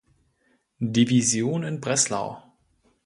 Division in Breslau.